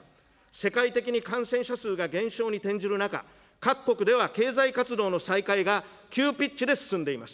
世界的に感染者数が減少に転じる中、各国では経済活動の再開が急ピッチで進んでいます。